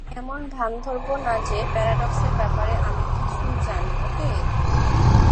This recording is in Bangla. আমি এমন ভান ধরব না যে প্যারাডক্সের ব্যাপারে আমি কিছু জানি, ওকে?